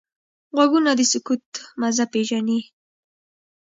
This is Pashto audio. غوږونه د سکوت مزه پېژني